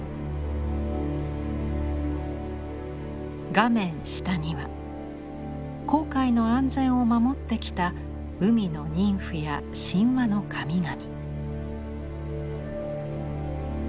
画面下には航海の安全を守ってきた海のニンフや神話の神々。